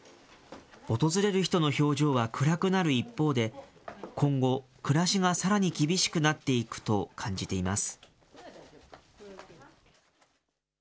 訪れる人の表情は暗くなる一方で、今後、暮らしがさらに厳しくなっていくと感じています。